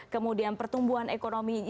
kemudian pertumbuhan ekonomi